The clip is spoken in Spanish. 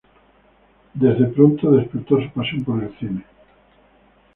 Desde pronto despertó su pasión por el cine.